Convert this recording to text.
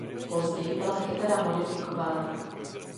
Později byla kytara modifikována.